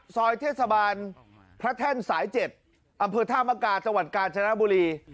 ซอยเทศบาลพระแท่นสาย๗อำเภอธามกาจังหวัดกาญจนบุรี